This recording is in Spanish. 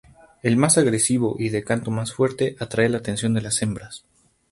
El más agresivo y de canto más fuerte atrae la atención de las hembras.